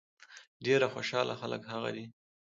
ډېر خوشاله خلک هغه دي.